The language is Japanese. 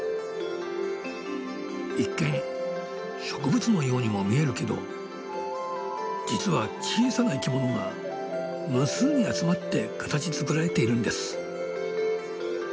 一見植物のようにも見えるけど実は小さな生きものが無数に集まって形づくられているんです。